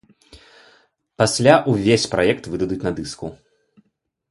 Пасля ўвесь праект выдадуць на дыску.